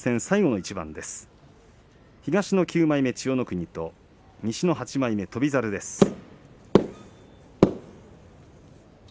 東の９枚目千代の国と西の８枚目翔猿です。